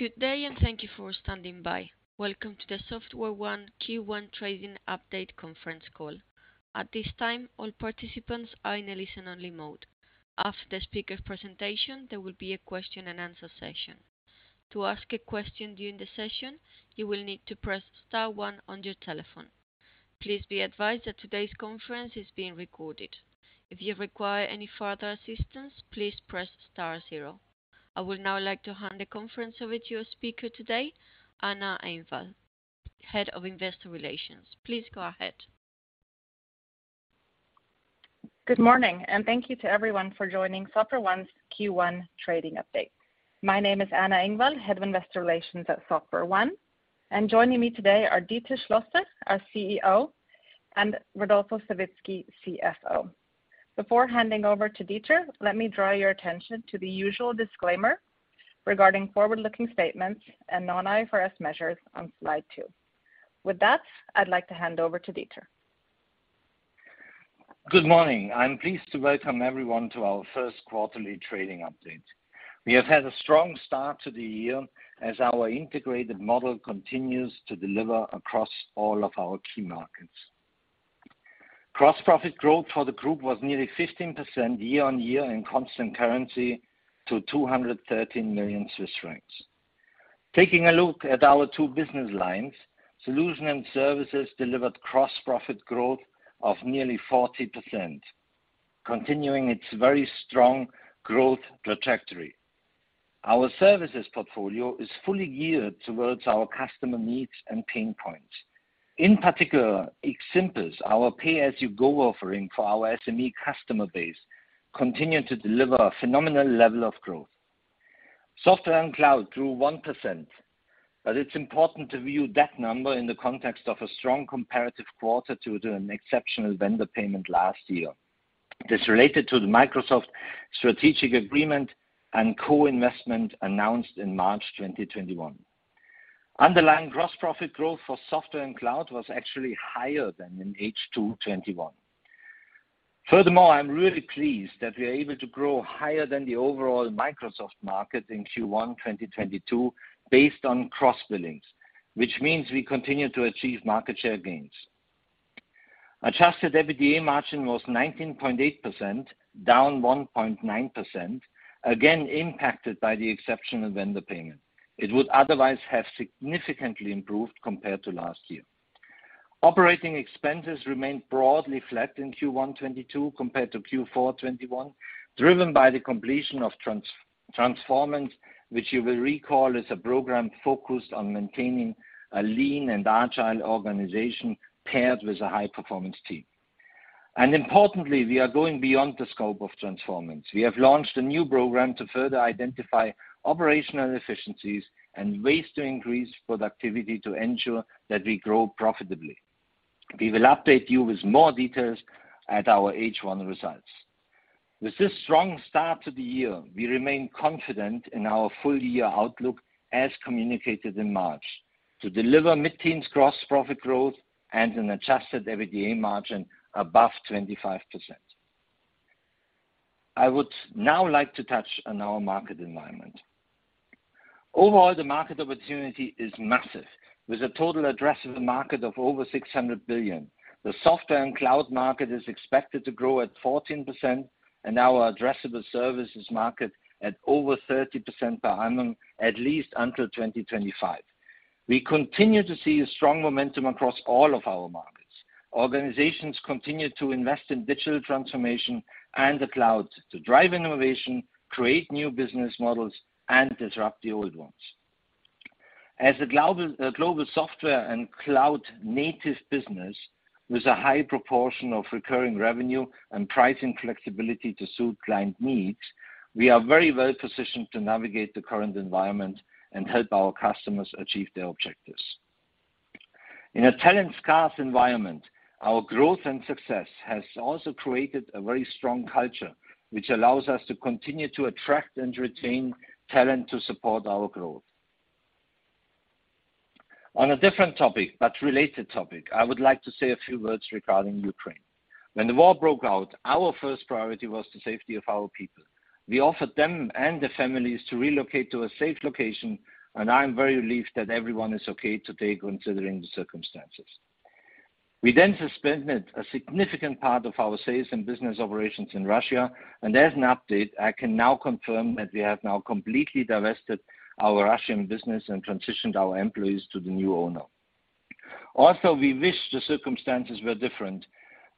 Good day, and thank you for standing by. Welcome to the SoftwareONE Q1 trading update conference call. At this time, all participants are in a listen-only mode. After the speaker presentation, there will be a question and answer session. To ask a question during the session, you will need to press star one on your telephone. Please be advised that today's conference is being recorded. If you require any further assistance, please press star zero. I would now like to hand the conference over to your speaker today, Anna Engvall, Head of Investor Relations. Please go ahead. Good morning, and thank you to everyone for joining SoftwareONE's Q1 trading update. My name is Anna Engvall, Head of Investor Relations at SoftwareONE, and joining me today are Dieter Schlosser, our CEO, and Rodolfo Savitzky, CFO. Before handing over to Dieter, let me draw your attention to the usual disclaimer regarding forward-looking statements and non-IFRS measures on slide two. With that, I'd like to hand over to Dieter. Good morning. I'm pleased to welcome everyone to our first quarterly trading update. We have had a strong start to the year as our integrated model continues to deliver across all of our key markets. Gross profit growth for the group was nearly 15% year-over-year in constant currency to 213 million Swiss francs. Taking a look at our two business lines, Solutions and Services delivered gross profit growth of nearly 40%, continuing its very strong growth trajectory. Our services portfolio is fully geared towards our customer needs and pain points. In particular, XSimples, our pay-as-you-go offering for our SME customer base, continued to deliver a phenomenal level of growth. Software and Cloud grew 1%, but it's important to view that number in the context of a strong comparative quarter to an exceptional vendor payment last year. This related to the Microsoft strategic agreement and co-investment announced in March 2021. Underlying gross profit growth for software and cloud was actually higher than in H2 2021. Furthermore, I'm really pleased that we are able to grow higher than the overall Microsoft market in Q1 2022 based on gross billings, which means we continue to achieve market share gains. Adjusted EBITDA margin was 19.8%, down 1.9%, again impacted by the exceptional vendor payment. It would otherwise have significantly improved compared to last year. Operating expenses remained broadly flat in Q1 2022 compared to Q4 2021, driven by the completion of Transformance, which you will recall is a program focused on maintaining a lean and agile organization paired with a high-performance team. Importantly, we are going beyond the scope of Transformance. We have launched a new program to further identify operational efficiencies and ways to increase productivity to ensure that we grow profitably. We will update you with more details at our H1 results. With this strong start to the year, we remain confident in our full-year outlook as communicated in March to deliver mid-teens gross profit growth and an adjusted EBITDA margin above 25%. I would now like to touch on our market environment. Overall, the market opportunity is massive. With a total addressable market of over 600 billion, the software and cloud market is expected to grow at 14% and our addressable services market at over 30% per annum at least until 2025. We continue to see a strong momentum across all of our markets. Organizations continue to invest in digital transformation and the cloud to drive innovation, create new business models, and disrupt the old ones. As a global software and cloud native business with a high proportion of recurring revenue and pricing flexibility to suit client needs, we are very well positioned to navigate the current environment and help our customers achieve their objectives. In a talent-scarce environment, our growth and success has also created a very strong culture, which allows us to continue to attract and retain talent to support our growth. On a different topic, but related topic, I would like to say a few words regarding Ukraine. When the war broke out, our first priority was the safety of our people. We offered them and their families to relocate to a safe location, and I am very relieved that everyone is okay today considering the circumstances. We suspended a significant part of our sales and business operations in Russia, and as an update, I can now confirm that we have completely divested our Russian business and transitioned our employees to the new owner. Also, we wish the circumstances were different.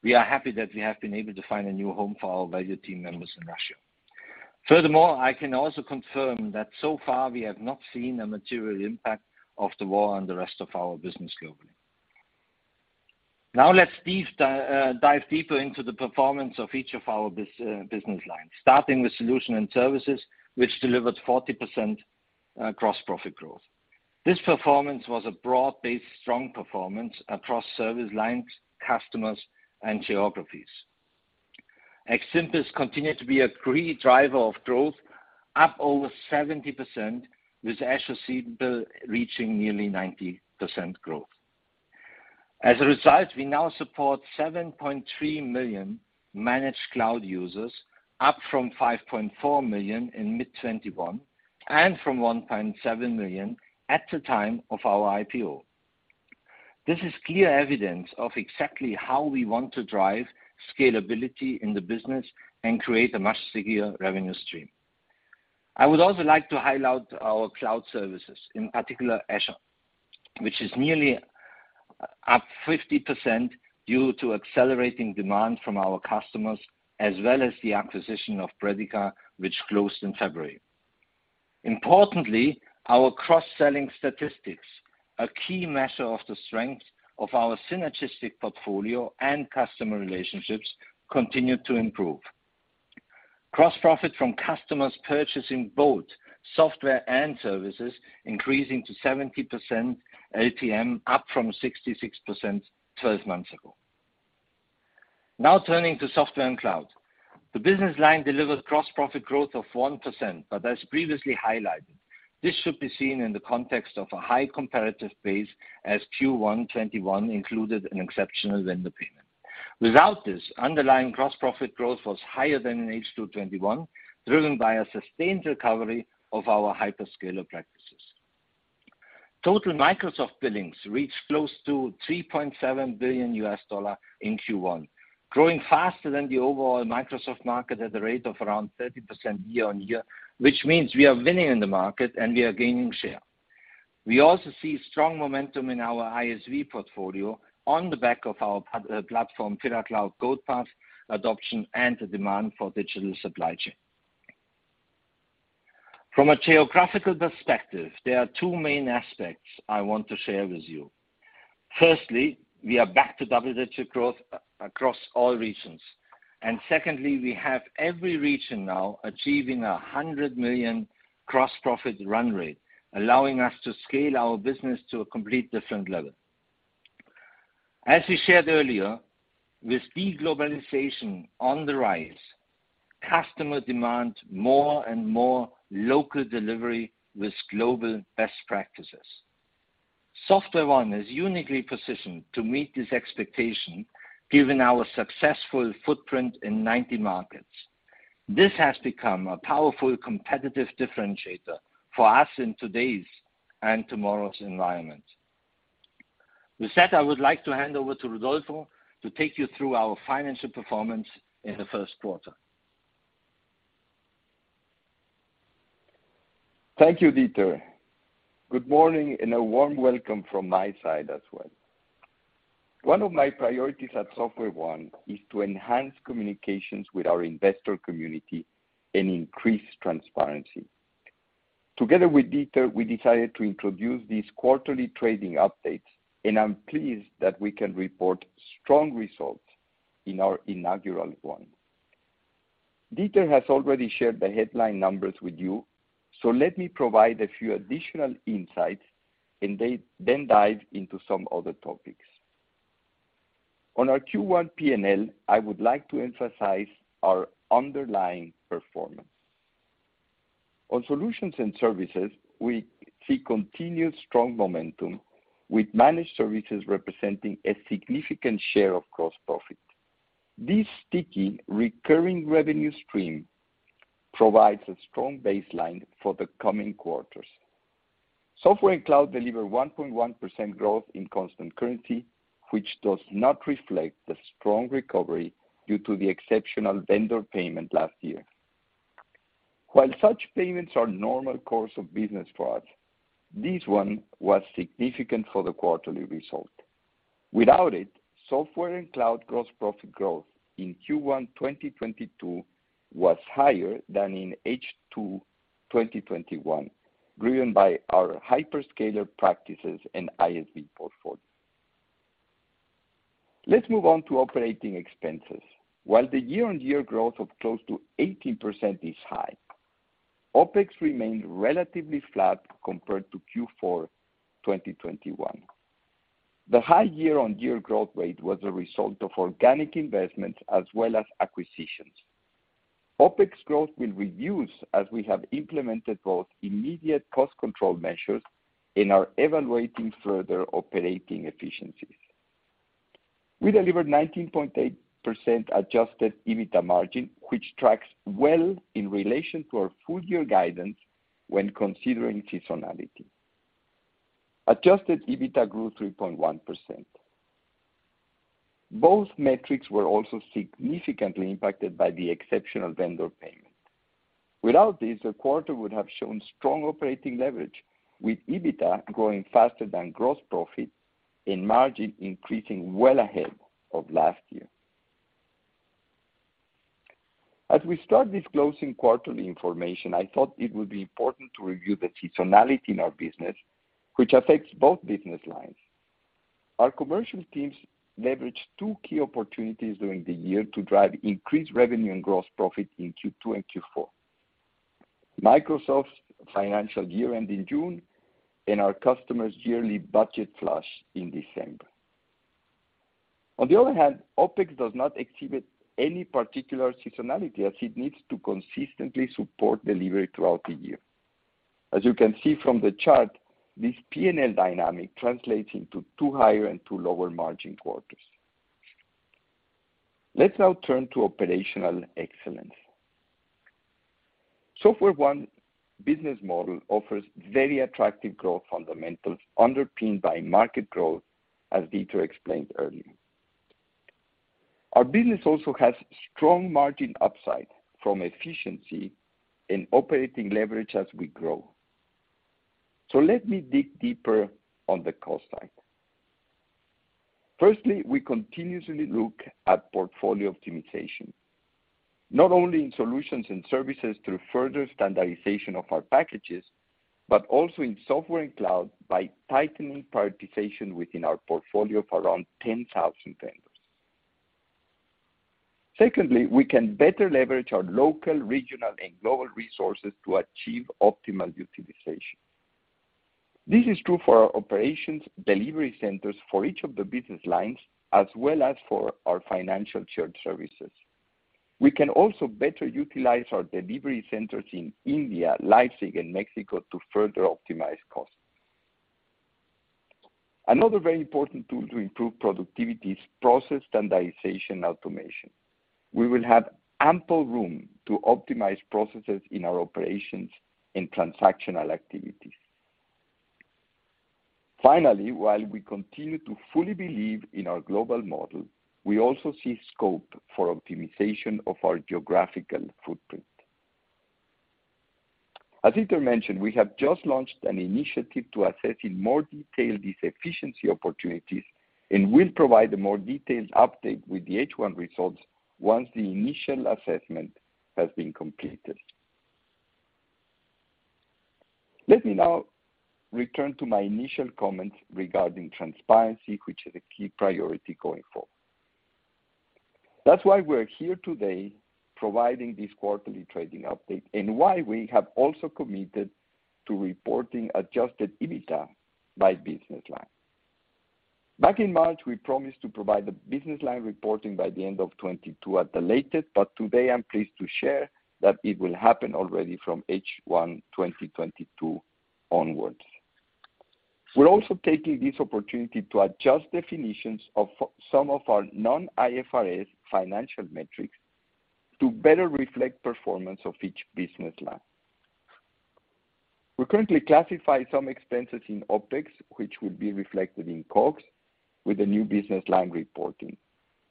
We are happy that we have been able to find a new home for our valued team members in Russia. Furthermore, I can also confirm that so far we have not seen a material impact of the war on the rest of our business globally. Now let's dive deeper into the performance of each of our business lines, starting with solution and services, which delivered 40% gross profit growth. This performance was a broad-based strong performance across service lines, customers, and geographies. XSimples continued to be a key driver of growth, up over 70%, with AzureSimple reaching nearly 90% growth. As a result, we now support 7.3 million managed cloud users, up from 5.4 million in mid-2021, and from 1.7 million at the time of our IPO. This is clear evidence of exactly how we want to drive scalability in the business and create a more secure revenue stream. I would also like to highlight our cloud services, in particular Azure, which is nearly up 50% due to accelerating demand from our customers as well as the acquisition of Predica, which closed in February. Importantly, our cross-selling statistics, a key measure of the strength of our synergistic portfolio and customer relationships, continue to improve. Gross profit from customers purchasing both software and services increasing to 70% LTM, up from 66% twelve months ago. Now turning to software and cloud. The business line delivered gross profit growth of 1%, but as previously highlighted, this should be seen in the context of a high comparative base as Q1 2021 included an exceptional vendor payment. Without this, underlying gross profit growth was higher than in H2 2021, driven by a sustained recovery of our hyperscaler practices. Total Microsoft billings reached close to $3.7 billion in Q1, growing faster than the overall Microsoft market at a rate of around 30% year-on-year, which means we are winning in the market and we are gaining share. We also see strong momentum in our ISV portfolio on the back of our platform Pillar Cloud Gold Path adoption and the demand for digital supply chain. From a geographical perspective, there are two main aspects I want to share with you. Firstly, we are back to double-digit growth across all regions. Secondly, we have every region now achieving 100 million gross profit run rate, allowing us to scale our business to a complete different level. As we shared earlier, with de-globalization on the rise, customer demand more and more local delivery with global best practices. SoftwareONE is uniquely positioned to meet this expectation given our successful footprint in 90 markets. This has become a powerful competitive differentiator for us in today's and tomorrow's environment. With that, I would like to hand over to Rodolfo to take you through our financial performance in the first quarter. Thank you, Dieter. Good morning and a warm welcome from my side as well. One of my priorities at SoftwareONE is to enhance communications with our investor community and increase transparency. Together with Dieter, we decided to introduce these quarterly trading updates, and I'm pleased that we can report strong results in our inaugural one. Dieter has already shared the headline numbers with you, so let me provide a few additional insights and then dive into some other topics. On our Q1 P&L, I would like to emphasize our underlying performance. On solutions and services, we see continued strong momentum with managed services representing a significant share of gross profit. This sticky recurring revenue stream provides a strong baseline for the coming quarters. Software and cloud deliver 1.1% growth in constant currency, which does not reflect the strong recovery due to the exceptional vendor payment last year. While such payments are normal course of business for us, this one was significant for the quarterly result. Without it, software and cloud gross profit growth in Q1 2022 was higher than in H2 2021, driven by our hyperscaler practices and ISV portfolio. Let's move on to operating expenses. While the year-on-year growth of close to 18% is high, OpEx remained relatively flat compared to Q4 2021. The high year-on-year growth rate was a result of organic investments as well as acquisitions. OpEx growth will reduce as we have implemented both immediate cost control measures and are evaluating further operating efficiencies. We delivered 19.8% adjusted EBITDA margin, which tracks well in relation to our full year guidance when considering seasonality. Adjusted EBITDA grew 3.1%. Both metrics were also significantly impacted by the exceptional vendor payment. Without this, the quarter would have shown strong operating leverage, with EBITDA growing faster than gross profit and margin increasing well ahead of last year. As we start disclosing quarterly information, I thought it would be important to review the seasonality in our business, which affects both business lines. Our commercial teams leveraged two key opportunities during the year to drive increased revenue and gross profit in Q2 and Q4, Microsoft's financial year-end in June and our customers' yearly budget flush in December. On the other hand, OpEx does not exhibit any particular seasonality as it needs to consistently support delivery throughout the year. As you can see from the chart, this P&L dynamic translates into two higher and two lower margin quarters. Let's now turn to operational excellence. SoftwareONE business model offers very attractive growth fundamentals underpinned by market growth, as Dieter explained earlier. Our business also has strong margin upside from efficiency and operating leverage as we grow. Let me dig deeper on the cost side. Firstly, we continuously look at portfolio optimization, not only in solutions and services through further standardization of our packages, but also in software and cloud by tightening prioritization within our portfolio of around 10,000 vendors. Secondly, we can better leverage our local, regional, and global resources to achieve optimal utilization. This is true for our operations delivery centers for each of the business lines, as well as for our financial shared services. We can also better utilize our delivery centers in India, Leipzig, and Mexico to further optimize costs. Another very important tool to improve productivity is process standardization automation. We will have ample room to optimize processes in our operations in transactional activities. Finally, while we continue to fully believe in our global model, we also see scope for optimization of our geographical footprint. As Dieter mentioned, we have just launched an initiative to assess in more detail these efficiency opportunities, and we'll provide a more detailed update with the H1 results once the initial assessment has been completed. Let me now return to my initial comments regarding transparency, which is a key priority going forward. That's why we're here today providing this quarterly trading update and why we have also committed to reporting adjusted EBITDA by business line. Back in March, we promised to provide the business line reporting by the end of 2022 at the latest, but today I'm pleased to share that it will happen already from H1 2022 onwards. We're also taking this opportunity to adjust definitions of some of our non-IFRS financial metrics to better reflect performance of each business line. We currently classify some expenses in OpEx, which will be reflected in COGS with the new business line reporting.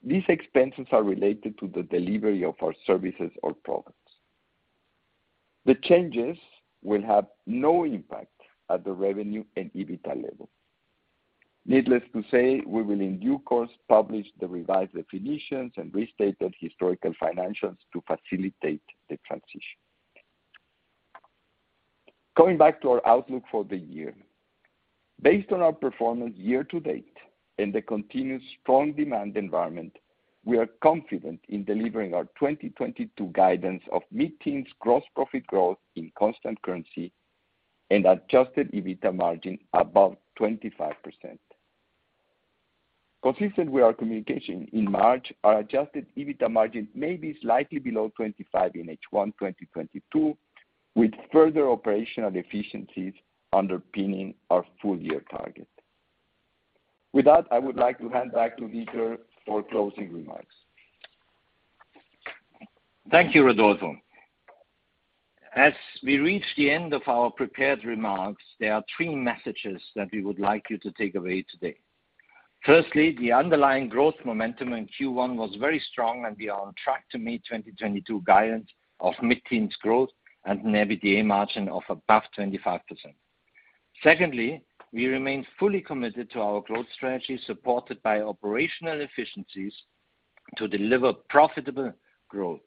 These expenses are related to the delivery of our services or products. The changes will have no impact at the revenue and EBITDA level. Needless to say, we will in due course publish the revised definitions and restated historical financials to facilitate the transition. Going back to our outlook for the year. Based on our performance year to date and the continued strong demand environment, we are confident in delivering our 2022 guidance of mid-teens% gross profit growth in constant currency and adjusted EBITDA margin above 25%. Consistent with our communication in March, our adjusted EBITDA margin may be slightly below 25% in H1 2022, with further operational efficiencies underpinning our full year target. With that, I would like to hand back to Dieter for closing remarks. Thank you, Rodolfo. As we reach the end of our prepared remarks, there are three messages that we would like you to take away today. Firstly, the underlying growth momentum in Q1 was very strong, and we are on track to meet 2022 guidance of mid-teens growth and an EBITDA margin of above 25%. Secondly, we remain fully committed to our growth strategy, supported by operational efficiencies to deliver profitable growth.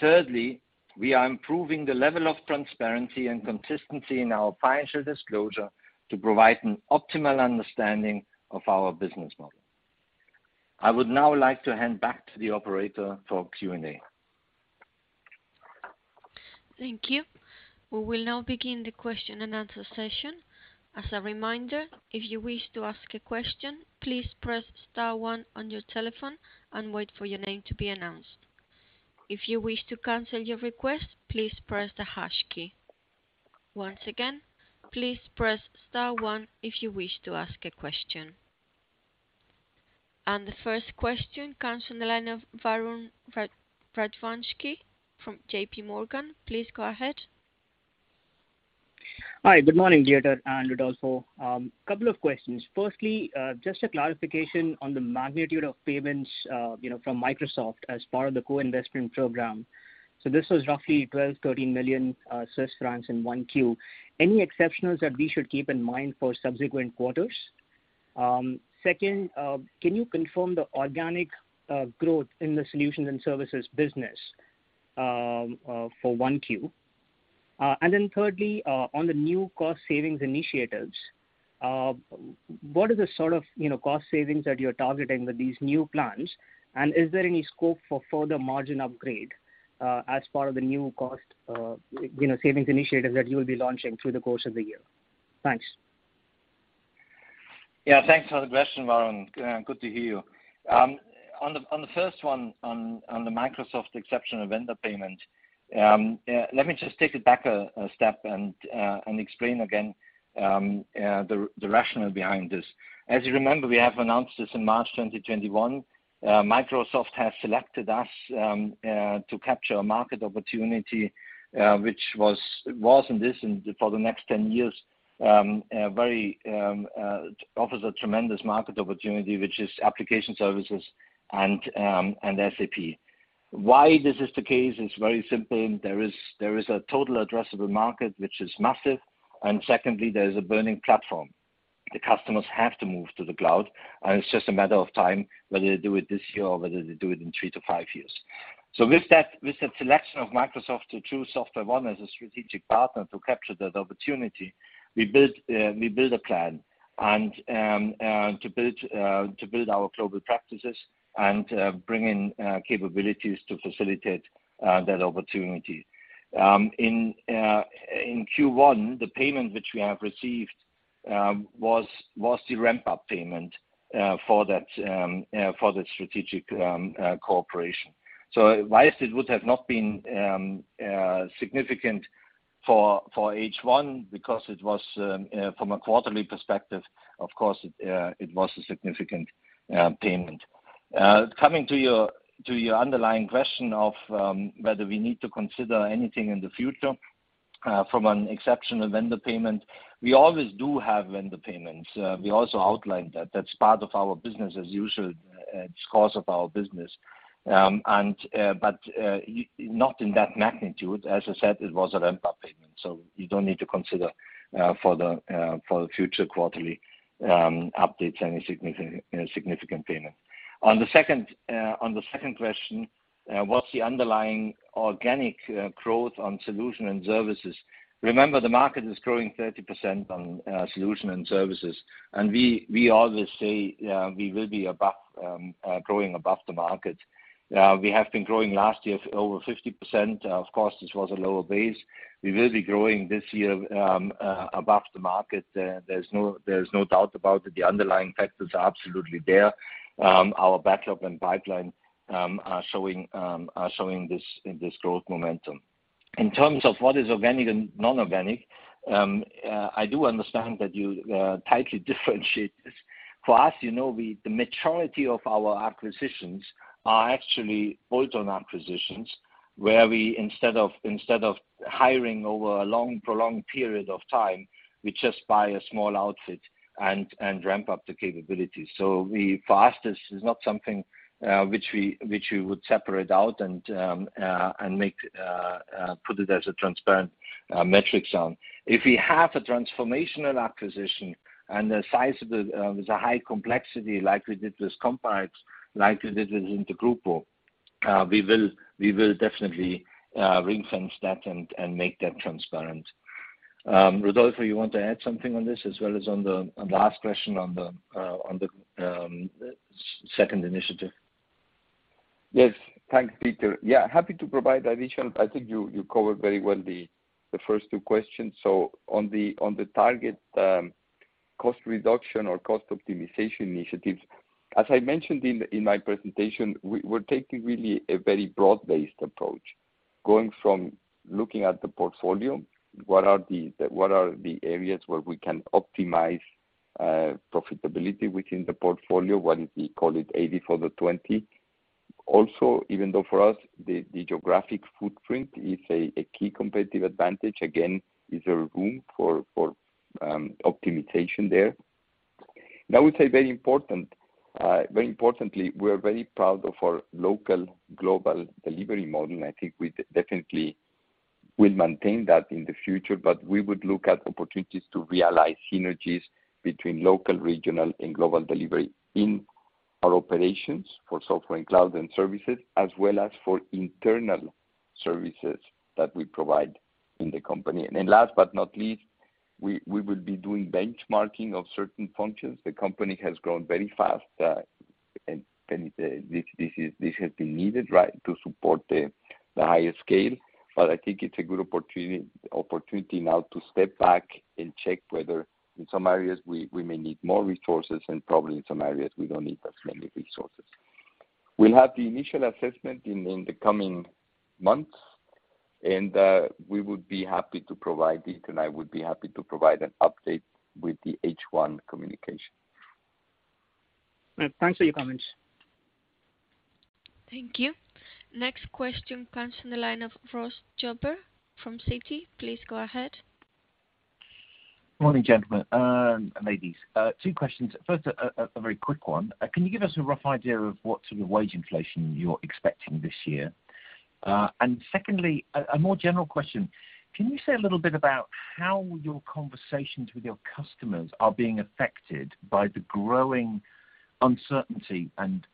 Thirdly, we are improving the level of transparency and consistency in our financial disclosure to provide an optimal understanding of our business model. I would now like to hand back to the operator for Q&A. Thank you. We will now begin the question and answer session. As a reminder, if you wish to ask a question, please press star one on your telephone and wait for your name to be announced. If you wish to cancel your request, please press the hash key. Once again, please press star one if you wish to ask a question. The first question comes from the line of Varun Rajwanshi from J.P. Morgan. Please go ahead. Hi, good morning, Dieter and Rodolfo. Couple of questions. Firstly, just a clarification on the magnitude of payments, you know, from Microsoft as part of the co-investment program. This was roughly 12-13 million Swiss francs in Q1. Any exceptionals that we should keep in mind for subsequent quarters? Second, can you confirm the organic growth in the solutions and services business for Q1? And then thirdly, on the new cost savings initiatives, what are the sort of, you know, cost savings that you're targeting with these new plans? Is there any scope for further margin upgrade as part of the new cost, you know, savings initiatives that you will be launching through the course of the year? Thanks. Yeah. Thanks for the question, Varun. Good to hear you. On the first one, on the Microsoft exceptional vendor payment, let me just take it back a step and explain again the rationale behind this. As you remember, we have announced this in March 2021. Microsoft has selected us to capture a market opportunity, which was in this and for the next 10 years, offers a tremendous market opportunity, which is application services and SAP. Why this is the case, it's very simple. There is a total addressable market which is massive, and secondly, there is a burning platform. The customers have to move to the cloud, and it's just a matter of time whether they do it this year or whether they do it in 3-5 years. With that, with the selection of Microsoft to choose SoftwareONE as a strategic partner to capture that opportunity, we build a plan and to build our global practices and bring in capabilities to facilitate that opportunity. In Q1, the payment which we have received was the ramp-up payment for that strategic cooperation. While it would have not been significant for H1 because it was from a quarterly perspective, of course it was a significant payment. Coming to your underlying question of whether we need to consider anything in the future from an exceptional vendor payment, we always do have vendor payments. We also outlined that. That's part of our business as usual course of our business. But not in that magnitude. As I said, it was a ramp-up payment, so you don't need to consider for the future quarterly updates any significant payment. On the second question, what's the underlying organic growth on solution and services? Remember, the market is growing 30% on solution and services, and we always say we will be above growing above the market. We have been growing last year over 50%. Of course, this was a lower base. We will be growing this year above the market. There's no doubt about it. The underlying factors are absolutely there. Our backlog and pipeline are showing this growth momentum. In terms of what is organic and non-organic, I do understand that you tightly differentiate this. For us, you know, the majority of our acquisitions are actually bolt-on acquisitions, where we, instead of hiring over a long, prolonged period of time, we just buy a small outfit and ramp up the capabilities. For us this is not something which we would separate out and put it as a transparent metrics on. If we have a transformational acquisition and the size is a high complexity like we did with COMPAREX, like we did with InterGrupo, we will definitely ring-fence that and make that transparent. Rodolfo, you want to add something on this as well as on the last question on the second initiative? Yes. Thanks, Dieter. Yeah. Happy to provide additional. I think you covered very well the first two questions. On the target cost reduction or cost optimization initiatives, as I mentioned in my presentation, we're taking really a very broad-based approach, going from looking at the portfolio, what are the areas where we can optimize profitability within the portfolio, what we call it 80 for the 20. Also, even though for us the geographic footprint is a key competitive advantage, again, is there room for optimization there? I would say very important, very importantly, we're very proud of our local global delivery model. I think we definitely will maintain that in the future, but we would look at opportunities to realize synergies between local, regional, and global delivery in our operations for software and cloud and services, as well as for internal services that we provide in the company. Then last but not least, we will be doing benchmarking of certain functions. The company has grown very fast, and this has been needed, right, to support the higher scale. I think it's a good opportunity now to step back and check whether in some areas we may need more resources and probably in some areas we don't need as many resources. We'll have the initial assessment in the coming months, and we would be happy to provide it, and I would be happy to provide an update with the H1 communication. Thanks for your comments. Thank you. Next question comes from the line of Ross Jobber from Citi. Please go ahead. Morning, gentlemen, and ladies. Two questions. First, a very quick one. Can you give us a rough idea of what sort of wage inflation you're expecting this year? Secondly, a more general question. Can you say a little bit about how your conversations with your customers are being affected by the growing uncertainty and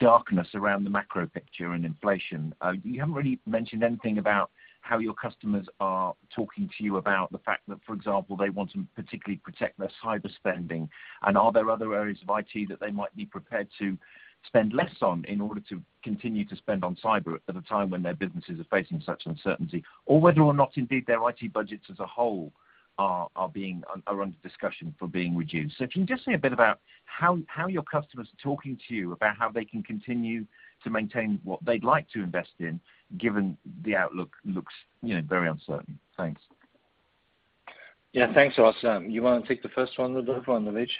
darkness around the macro picture and inflation? You haven't really mentioned anything about how your customers are talking to you about the fact that, for example, they want to particularly protect their cyber spending, and are there other areas of IT that they might be prepared to spend less on in order to continue to spend on cyber at a time when their businesses are facing such uncertainty? whether or not indeed their IT budgets as a whole are being under discussion for being reduced. Can you just say a bit about how your customers are talking to you about how they can continue to maintain what they'd like to invest in given the outlook looks, you know, very uncertain? Thanks. Yeah. Thanks, Ross. You wanna take the first one, Rodolfo, and the wage?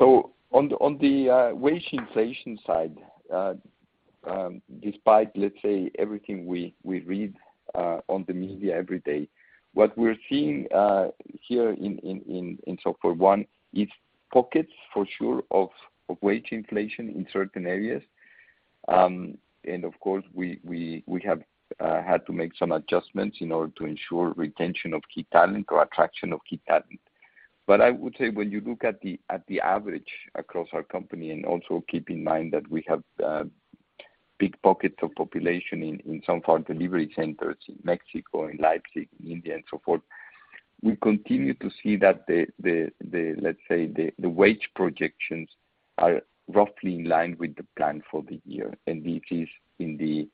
On the wage inflation side, despite let's say everything we read on the media every day, what we're seeing here in SoftwareONE is pockets for sure of wage inflation in certain areas. Of course, we have had to make some adjustments in order to ensure retention of key talent or attraction of key talent. I would say when you look at the average across our company, and also keep in mind that we have big pockets of population in some of our delivery centers in Mexico, in Leipzig, in India, and so forth, we continue to see that the, let's say, wage projections are roughly in line with the plan for the year, and this is in the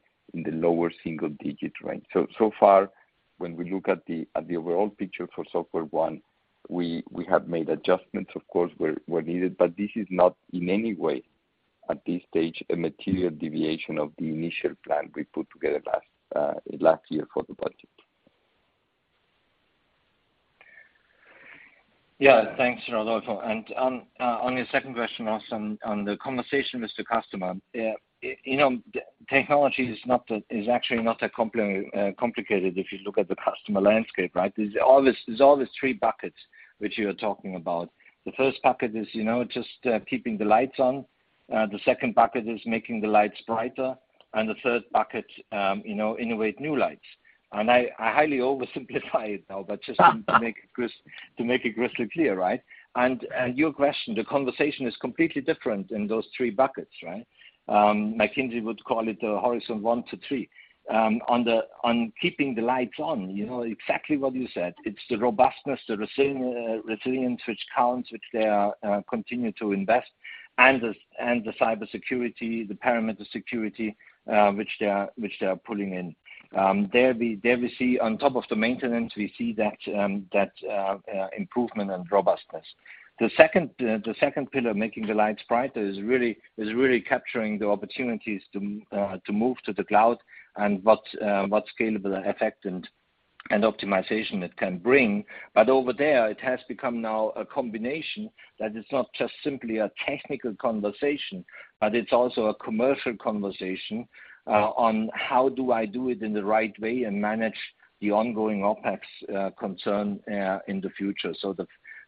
lower single digit range. So far when we look at the overall picture for SoftwareONE, we have made adjustments of course, where needed, but this is not in any way at this stage, a material deviation of the initial plan we put together last year for the budget. Yeah. Thanks, Rodolfo. On your second question, Ross, on the conversation with the customer, you know, technology is actually not that complicated if you look at the customer landscape, right? There's always three buckets which you're talking about. The first bucket is, you know, just keeping the lights on. The second bucket is making the lights brighter, and the third bucket, you know, innovate new lights. I highly oversimplify it now, but to make it crystal clear, right? Your question, the conversation is completely different in those three buckets, right? McKinsey would call it the horizon one to three. On keeping the lights on, you know exactly what you said. It's the robustness, the resilience which counts, which they continue to invest, and the cybersecurity, the perimeter security, which they're pulling in. There we see on top of the maintenance, we see that improvement and robustness. The second pillar, making the lights brighter is really capturing the opportunities to move to the cloud and what scalable effect and optimization it can bring. Over there it has become now a combination that it's not just simply a technical conversation, but it's also a commercial conversation on how do I do it in the right way and manage the ongoing OpEx concern in the future.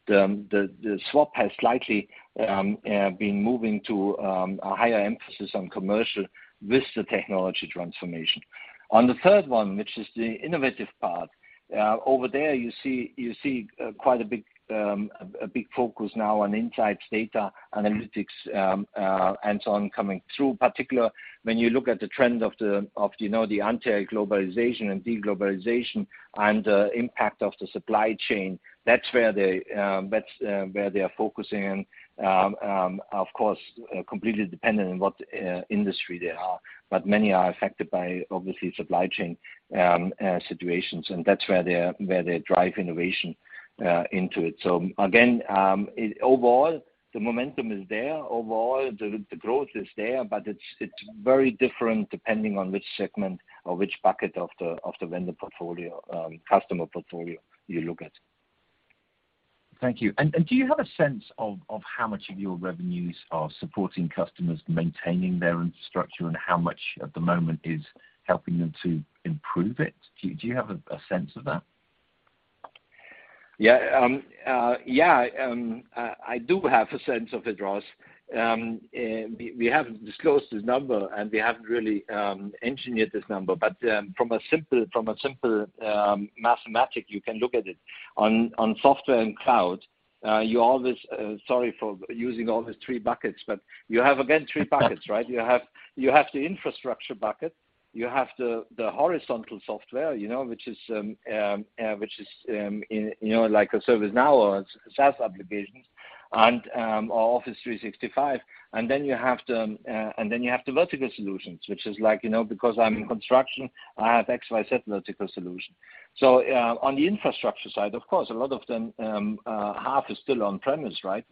The swap has slightly been moving to a higher emphasis on commercial with the technology transformation. On the third one, which is the innovative part, over there you see quite a big focus now on insights, data analytics, and so on coming through. Particularly when you look at the trend of, you know, the anti-globalization and de-globalization and the impact of the supply chain, that's where they're focusing and, of course, completely dependent on what industry they are. Many are affected by obviously supply chain situations, and that's where they drive innovation into it. Again, overall the momentum is there. Overall, the growth is there, but it's very different depending on which segment or which bucket of the vendor portfolio, customer portfolio you look at. Thank you. Do you have a sense of how much of your revenues are supporting customers maintaining their infrastructure, and how much at the moment is helping them to improve it? Do you have a sense of that? Yeah, I do have a sense of it, Ross. We haven't disclosed this number, and we haven't really engineered this number, but from a simple mathematical, you can look at it. On software and cloud, you always sorry for using all the three buckets, but you have, again, three buckets, right? You have the infrastructure bucket, you have the horizontal software, you know, which is in, you know, like a ServiceNow or SaaS applications and or Office 365. Then you have the vertical solutions, which is like, you know, because I'm in construction, I have X, Y, Z vertical solution. On the infrastructure side, of course, a lot of them, half is still on-premise, right?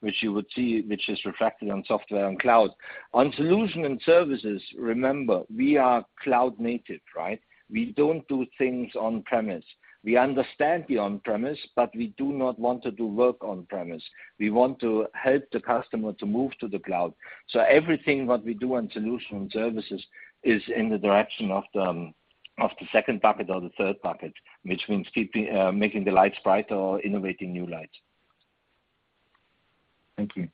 Which you would see, which is reflected on software and cloud. On solution and services, remember, we are cloud-native, right? We don't do things on-premise. We understand the on-premise, but we do not want to do work on-premise. We want to help the customer to move to the cloud. Everything what we do on solution and services is in the direction of the second bucket or the third bucket, which means keeping, making the lights brighter or innovating new lights. Thank you.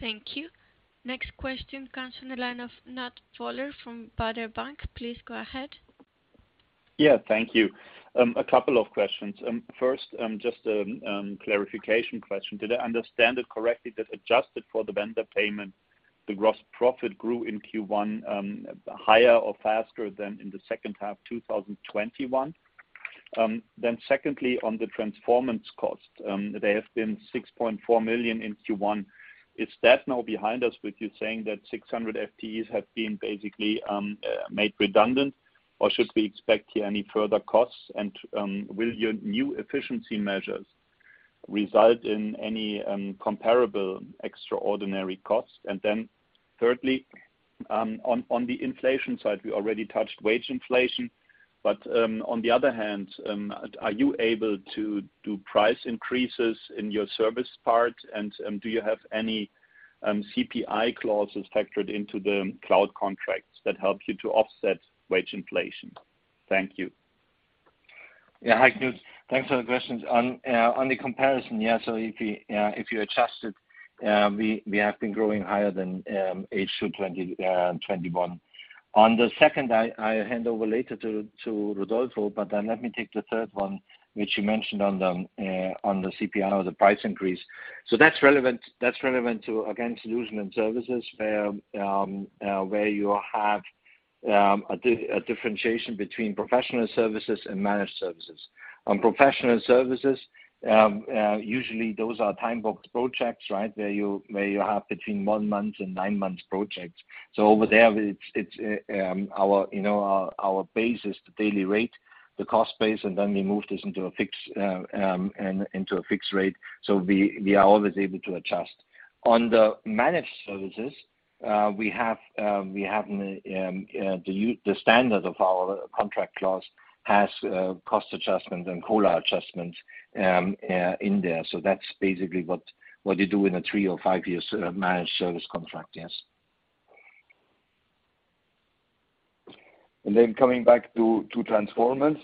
Thank you. Next question comes from the line of Knut Woller from Baader Bank. Please go ahead. Yeah. Thank you. A couple of questions. First, just a clarification question. Did I understand it correctly that adjusted for the vendor payment, the gross profit grew in Q1, higher or faster than in the second half 2021? Secondly, on the Transformance cost, they have been 6.4 million in Q1. Is that now behind us with you saying that 600 FTEs have been basically made redundant, or should we expect here any further costs? Will your new efficiency measures result in any comparable extraordinary cost? Thirdly, on the inflation side, we already touched wage inflation. On the other hand, are you able to do price increases in your service part? Do you have any CPI clauses factored into the cloud contracts that help you to offset wage inflation? Thank you. Hi, Knut. Thanks for the questions. On the comparison, if you adjust it, we have been growing higher than H2 2021. On the second, I hand over later to Rodolfo, but let me take the third one, which you mentioned on the CPI or the price increase. That's relevant to, again, solutions and services where you have a differentiation between professional services and managed services. On professional services, usually those are time-boxed projects, right? Where you have between one month and nine months projects. Over there, it's our, you know, our base is the daily rate, the cost base, and then we move this into a fixed rate. We are always able to adjust. On the managed services, we have the standard of our contract clause has cost adjustments and COLA adjustments in there. That's basically what you do in a 3- or 5-year managed service contract. Yes. Coming back to Transformance.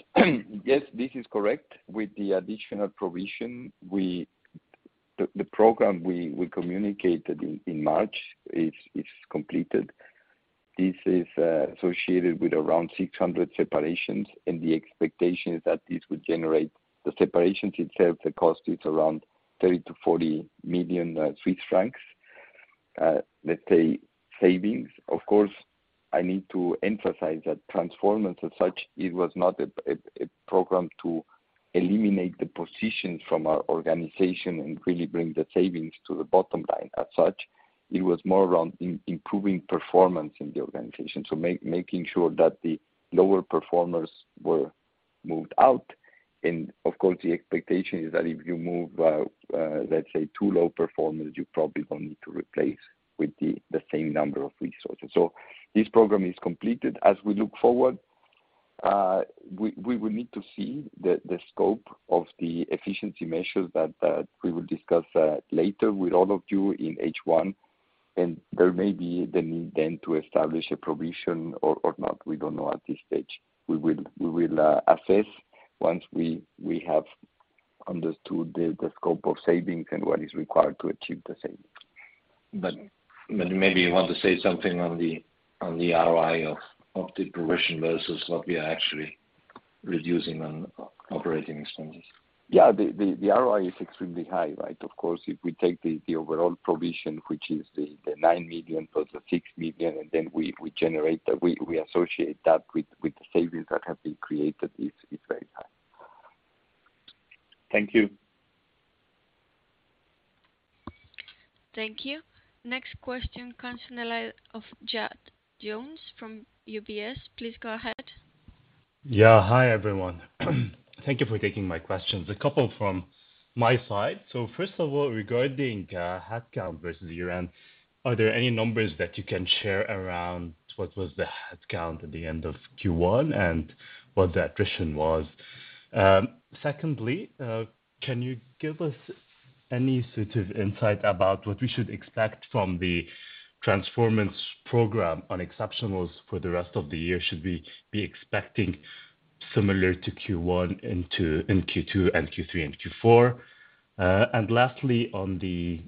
Yes, this is correct. With the additional provision, the program we communicated in March is completed. This is associated with around 600 separations, and the expectation is that this would generate the separations itself. The cost is around 30 million-40 million Swiss francs. Let's say savings. Of course, I need to emphasize that Transformance as such, it was not a program to eliminate the positions from our organization and really bring the savings to the bottom line as such. It was more around improving performance in the organization. Making sure that the lower performers were moved out. Of course, the expectation is that if you move, let's say two low performers, you probably don't need to replace with the same number of resources. This program is completed. As we look forward, we will need to see the scope of the efficiency measures that we will discuss later with all of you in H1. There may be the need then to establish a provision or not, we don't know at this stage. We will assess once we have understood the scope of savings and what is required to achieve the savings. Maybe you want to say something on the ROI of the provision versus what we are actually reducing on operating expenses. Yeah. The ROI is extremely high, right? Of course, if we take the overall provision, which is the 9 million + 6 million, and then we generate that, we associate that with the savings that have been created, it's very high. Thank you. Thank you. Next question comes in the line of Jad Younes from UBS. Please go ahead. Yeah. Hi, everyone. Thank you for taking my questions. A couple from my side. First of all, regarding headcount versus year-end, are there any numbers that you can share around what was the headcount at the end of Q1 and what the attrition was? Secondly, can you give us any sort of insight about what we should expect from the Transformance program on exceptionals for the rest of the year? Should we be expecting similar to Q1 into Q2 and Q3 and Q4? Lastly, on the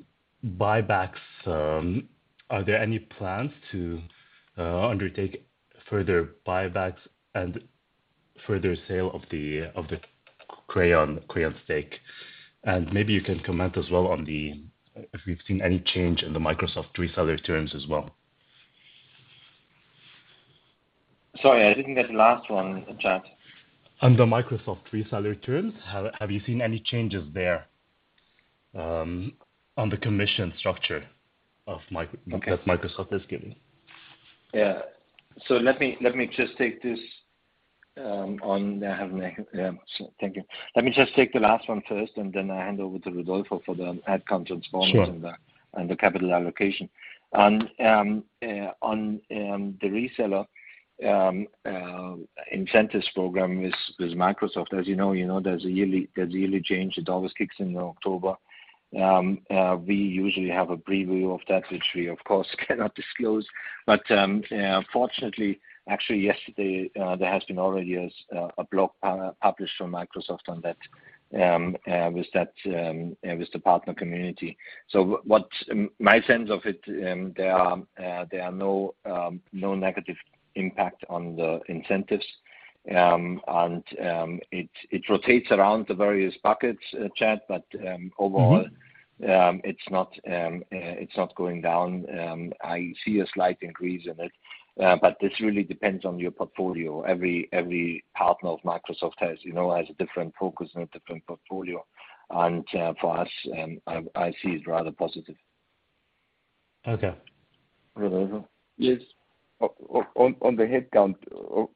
buybacks, are there any plans to undertake further buybacks and further sale of the Crayon stake? Maybe you can comment as well on if we've seen any change in the Microsoft reseller terms as well. Sorry, I didn't get the last one, Jad. On the Microsoft reseller terms, have you seen any changes there, on the commission structure of Mic- Okay. That Microsoft is giving? Yeah. Let me just take this on. Thank you. Let me just take the last one first, and then I hand over to Rodolfo for the headcount Transformance- Sure. The capital allocation. On the reseller incentives program with Microsoft, as you know, there's a yearly change. It always kicks in October. We usually have a preview of that, which we of course cannot disclose. Fortunately, actually yesterday, there has been already a blog published from Microsoft on that with the partner community. So what's my sense of it, there are no negative impact on the incentives. It rotates around the various buckets, Chad Jones, but overall. Mm-hmm. It's not going down. I see a slight increase in it. But this really depends on your portfolio. Every partner of Microsoft has, you know, has a different focus and a different portfolio. For us, I see it rather positive. Okay. Rodolfo. Yes. On the headcount,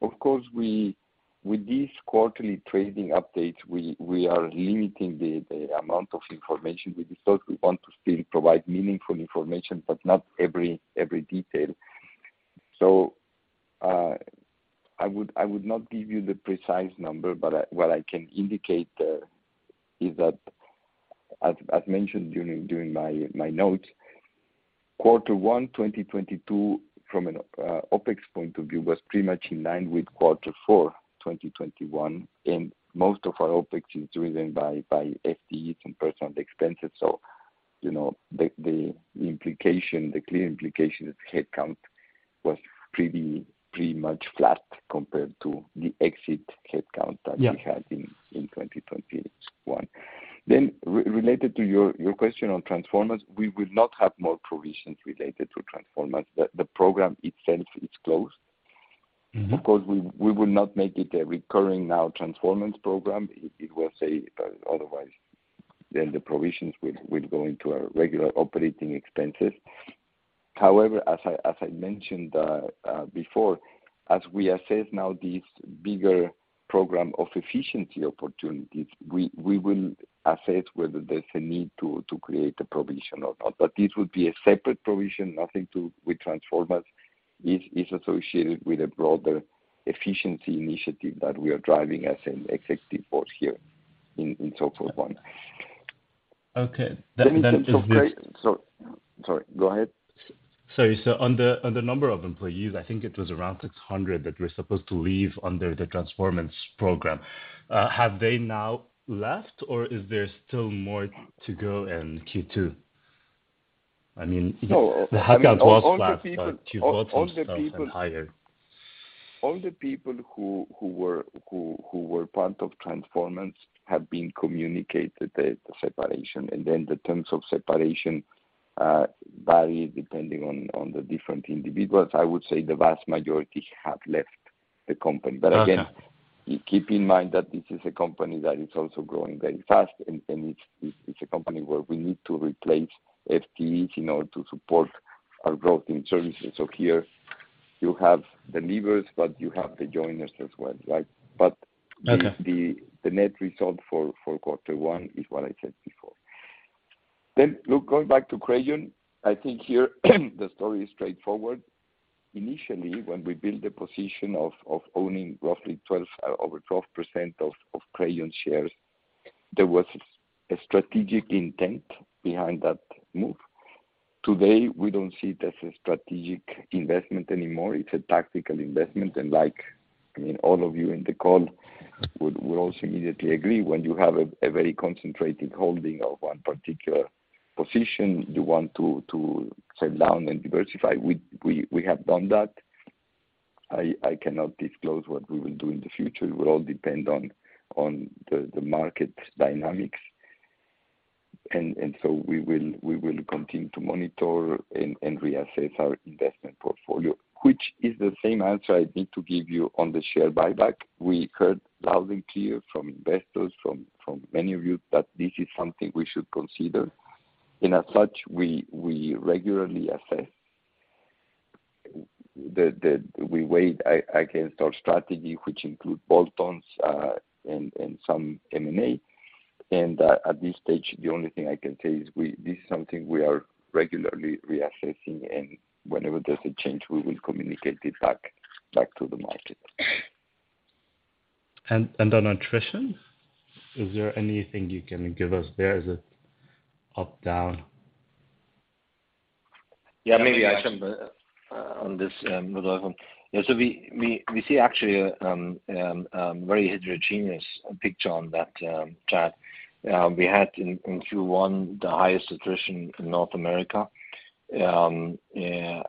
of course, with these quarterly trading updates, we are limiting the amount of information we disclose. We want to still provide meaningful information, but not every detail. I would not give you the precise number, but what I can indicate is that as mentioned during my notes, quarter 1 2022 from an OpEx point of view was pretty much in line with quarter 4 2021, and most of our OpEx is driven by FTEs and personnel expenses. You know, the clear implication is headcount was pretty much flat compared to the exit headcount. Yeah ...that we had in 2021. Related to your question on Transformance, we will not have more provisions related to Transformance. The program itself is closed. Mm-hmm. Of course, we will not make it a recurring now Transformance program. It will say otherwise. The provisions will go into our regular operating expenses. However, as I mentioned before, as we assess now this bigger program of efficiency opportunities, we will assess whether there's a need to create a provision or not. This will be a separate provision, nothing to do with Transformance. It is associated with a broader efficiency initiative that we are driving as an executive board here in SoftwareONE. Okay. It's this. Sorry, go ahead. Sorry. On the number of employees, I think it was around 600 that were supposed to leave under the Transformance program. Have they now left, or is there still more to go in Q2? I mean No. The headcount was flat, but you've got some stops and hires. All the people who were part of Transformance have been communicated the separation, and then the terms of separation vary depending on the different individuals. I would say the vast majority have left the company. Okay. Again, keep in mind that this is a company that is also growing very fast, and it's a company where we need to replace FTEs in order to support our growth in services. Here you have the leavers, but you have the joiners as well, right? Okay The net result for quarter one is what I said before. Look, going back to Crayon, I think here the story is straightforward. Initially, when we built the position of owning roughly over 12% of Crayon shares, there was a strategic intent behind that move. Today, we don't see it as a strategic investment anymore. It's a tactical investment. Like, I mean, all of you in the call would also immediately agree, when you have a very concentrated holding of one particular position, you want to sell down and diversify. We have done that. I cannot disclose what we will do in the future. It will all depend on the market dynamics. We will continue to monitor and reassess our investment portfolio, which is the same answer I need to give you on the share buyback. We heard loud and clear from investors, from many of you that this is something we should consider. As such, we regularly assess. We weigh against our strategy, which include bolt-ons, and some M&A. At this stage, the only thing I can say is this is something we are regularly reassessing, and whenever there's a change, we will communicate it back to the market. On attrition, is there anything you can give us there as an up down? Yeah. Maybe I jump on this, Rodolfo. Yeah, so we see actually very heterogeneous picture on that chart. We had in Q1 the highest attrition in North America. In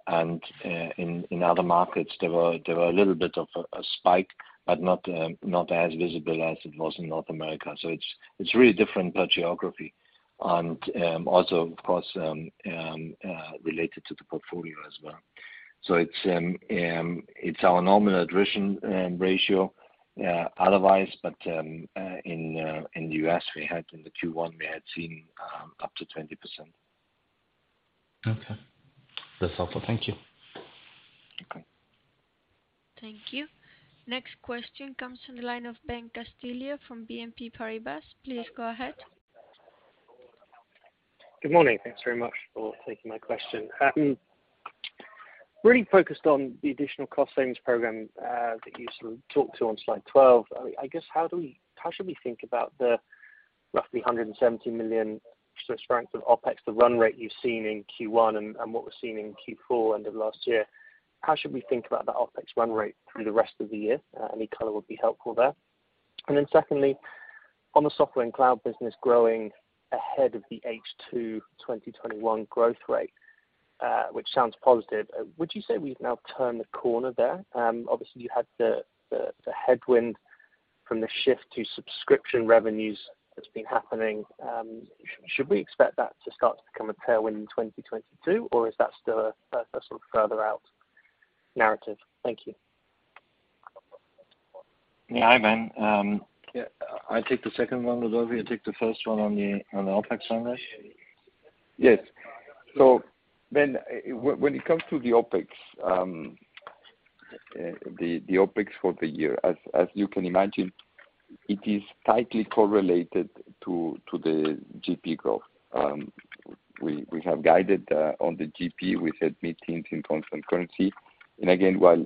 other markets, there were a little bit of a spike, but not as visible as it was in North America. It's really different per geography. Also, of course, related to the portfolio as well. It's our normal attrition ratio otherwise, but in US, we had in Q1 seen up to 20%. Okay. That's all. Thank you. Okay. Thank you. Next question comes from the line of Ben Castillo from BNP Paribas. Please go ahead. Good morning. Thanks very much for taking my question. Really focused on the additional cost savings program that you sort of talked to on slide 12. I guess, how should we think about the roughly 170 million francs of OpEx, the run rate you've seen in Q1 and what was seen in Q4 end of last year? How should we think about that OpEx run rate through the rest of the year? Any color would be helpful there. Secondly, on the software and cloud business growing ahead of the H2 2021 growth rate, which sounds positive, would you say we've now turned the corner there? Obviously, you had the headwind from the shift to subscription revenues that's been happening. Should we expect that to start to become a tailwind in 2022, or is that still a sort of further out narrative? Thank you. Yeah. Hi, Ben. I take the second one, Rodolfo, you take the first one on the OpEx on this. Yes. When it comes to the OpEx for the year, as you can imagine, it is tightly correlated to the GP growth. We have guided on the GP. We said mid-teens% in constant currency. Again, while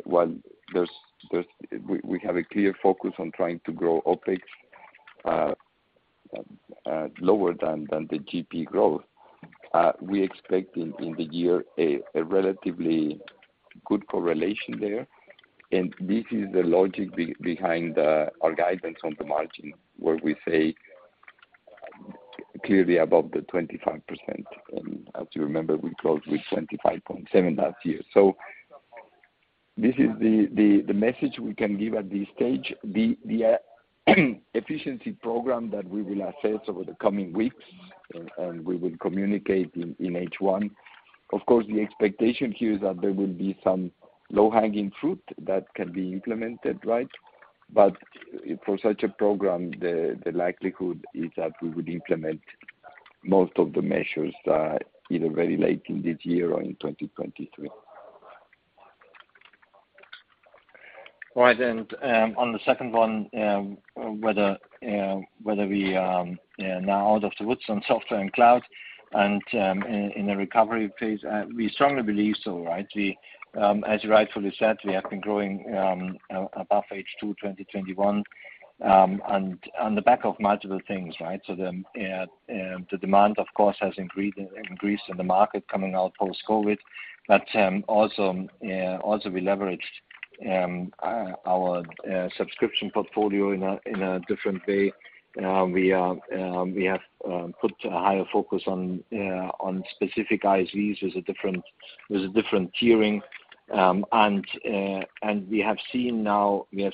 we have a clear focus on trying to grow OpEx lower than the GP growth, we expect in the year a relatively good correlation there. This is the logic behind our guidance on the margin, where we say clearly above the 25%. As you remember, we closed with 25.7% last year. This is the message we can give at this stage. The efficiency program that we will assess over the coming weeks and we will communicate in H1, of course, the expectation here is that there will be some low-hanging fruit that can be implemented, right? For such a program, the likelihood is that we would implement most of the measures, either very late in this year or in 2023. Right. On the second one, whether we are now out of the woods on software and cloud and in a recovery phase, we strongly believe so, right? As you rightfully said, we have been growing above H2 2021 and on the back of multiple things, right? The demand, of course, has increased in the market coming out post-COVID. Also, we leveraged our subscription portfolio in a different way. We have put a higher focus on specific ISVs with a different tiering. We have seen now a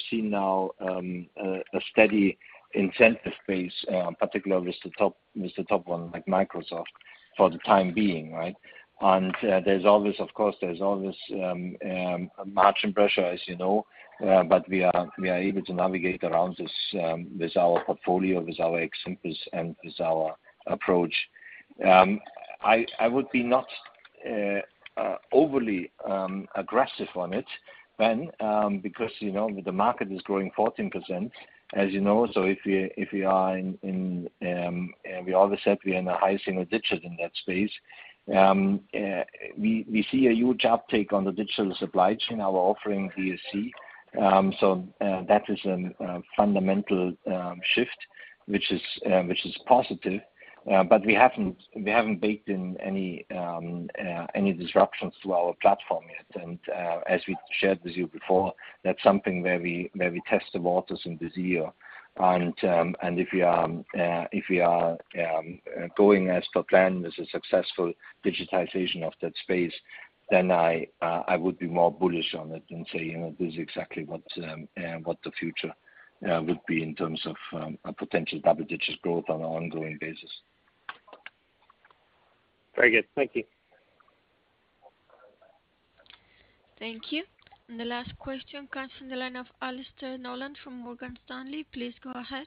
steady incentive base, particularly with the top one like Microsoft for the time being, right? There's always, of course, margin pressure, as you know, but we are able to navigate around this, with our portfolio, with our examples and with our approach. I would be not overly aggressive on it then, because, you know, the market is growing 14%, as you know. If we are in, we always said we are in the high single digits in that space. We see a huge uptake on the digital supply chain, our offering DSC. That is a fundamental shift, which is positive. But we haven't baked in any disruptions to our platform yet. As we shared with you before, that's something where we test the waters in this year. If we are growing as per plan with a successful digitization of that space, then I would be more bullish on it and say, you know, this is exactly what the future would be in terms of a potential double-digit growth on an ongoing basis. Very good. Thank you. Thank you. The last question comes from the line of Alastair Nolan from Morgan Stanley. Please go ahead.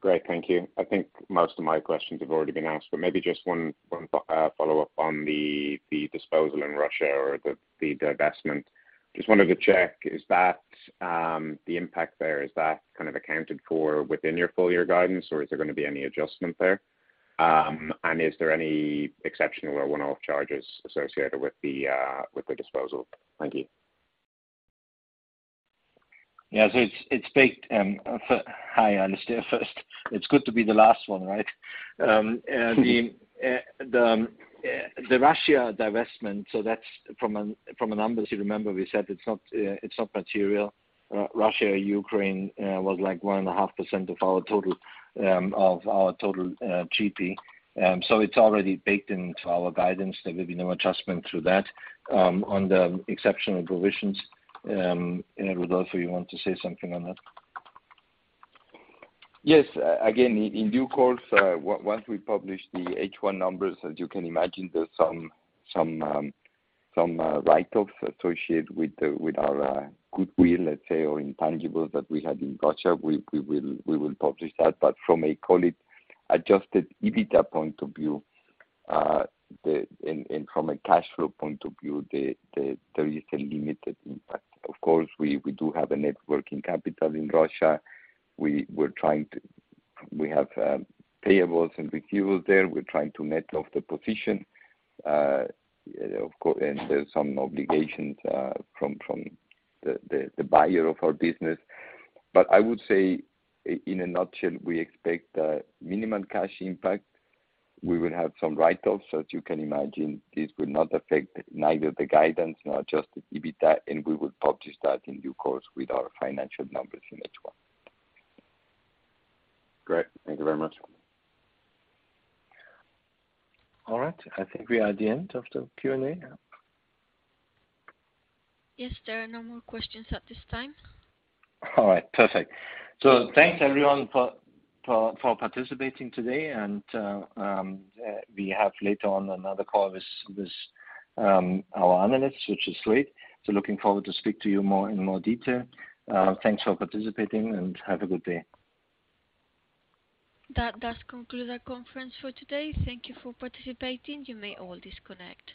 Great. Thank you. I think most of my questions have already been asked, but maybe just one follow-up on the disposal in Russia or the divestment. Just wanted to check, is that the impact there, is that kind of accounted for within your full year guidance, or is there gonna be any adjustment there? And is there any exceptional or one-off charges associated with the disposal? Thank you. It's baked. Hi, Alistair first. It's good to be the last one, right? The Russia divestment, that's from the numbers you remember, we said it's not material. Russia, Ukraine, was like 1.5% of our total GP. It's already baked into our guidance. There will be no adjustment to that. On the exceptional provisions, Rodolfo, you want to say something on that? Yes. Again, in due course, once we publish the H1 numbers, as you can imagine, there's some write-offs associated with our goodwill, let's say, or intangibles that we had in Russia. We will publish that. But from a so-called adjusted EBITA point of view, and from a cash flow point of view, there is a limited impact. Of course, we do have a net working capital in Russia. We have payables and receivables there. We're trying to net off the position. Of course, and there's some obligations from the buyer of our business. But I would say in a nutshell, we expect a minimum cash impact. We will have some write-offs, as you can imagine. This would not affect neither the guidance nor adjusted EBITA, and we will publish that in due course with our financial numbers in H1. Great. Thank you very much. All right. I think we are at the end of the Q&A. Yes, there are no more questions at this time. All right. Perfect. Thanks, everyone, for participating today. We have later on another call with our analysts, which is great. Looking forward to speak to you more in detail. Thanks for participating, and have a good day. That does conclude our conference for today. Thank you for participating. You may all disconnect.